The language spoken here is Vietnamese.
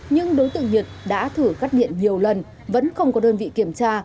nhưng đối tượng nhật đã thử cắt điện nhiều lần vẫn không có đơn vị kiểm tra